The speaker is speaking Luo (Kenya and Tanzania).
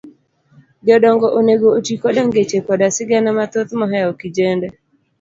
jodongo onego oti koda ngeche koda sigana mathoth mohewo kijende.